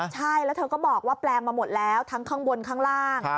ใช่แล้วเธอก็บอกว่าแปลงมาหมดแล้วทั้งข้างบนข้างล่าง